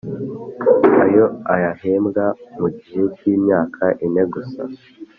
ayo ayahembwa mu gihe cy imyaka ine gusa